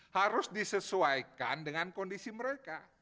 harus disesuaikan dengan kondisi mereka